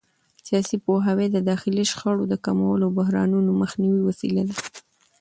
سیاسي پوهاوی د داخلي شخړو د کمولو او بحرانونو مخنیوي وسیله ده